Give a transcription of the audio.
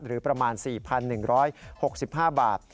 หรือประมาณ๔๑๖๕บาท